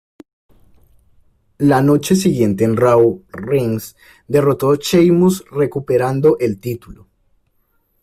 La noche siguiente en "Raw", Reigns derrotó a Sheamus recuperando el título.